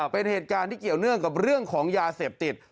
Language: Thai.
เป็นเหตุการณ์ที่เกี่ยวเนื่องกับเรื่องของยาเสพติด